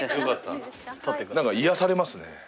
癒やされますね。